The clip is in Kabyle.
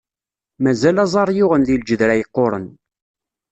Mazal aẓar yuɣen di lǧedra yeqquṛen.